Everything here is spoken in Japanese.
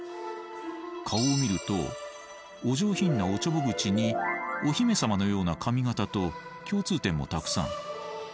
顔を見るとお上品なおちょぼ口にお姫様のような髪形と共通点もたくさん。